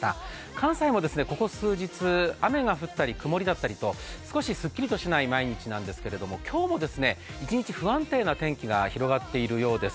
関西もここ数日、雨が降ったり曇りだったりと少しすっきりとしない毎日なんですけど、今日も一日、不安定な天気が広がっているようです。